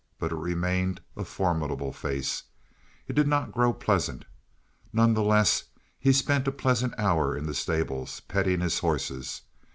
But it remained a formidable face; it did not grow pleasant. None the less, he spent a pleasant hour in the stables, petting his horses.